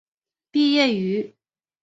毕业于。